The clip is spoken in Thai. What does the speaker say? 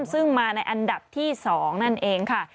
ซึ่งมาในอันดับที่๒นั่นเองค่ะ